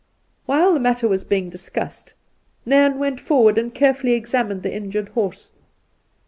While the matter was being discussed, Nairn went forward and carefully examined the injured horse.